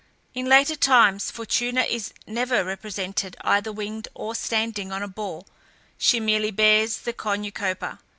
In later times Fortuna is never represented either winged or standing on a ball; she merely bears the cornucopia.